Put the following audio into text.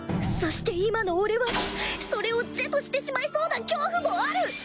そして今の俺はそれを是としてしまいそうな恐怖もある！